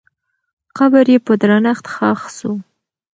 قبر یې په درنښت ښخ سو.